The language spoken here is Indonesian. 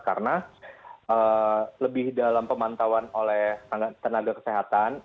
karena lebih dalam pemantauan oleh tenaga kesehatan